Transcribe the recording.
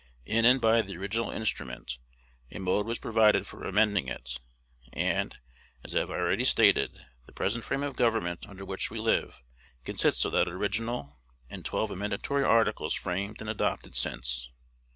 In and by the original instrument, a mode was provided for amending it; and, as I have already stated, the present frame of government under which we live consists of that original, and twelve amendatory articles framed and adopted since.